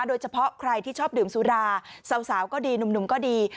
โดยเฉพาะใครที่ชอบดื่มสุราสาวก็ดีหนุ่มก็ดี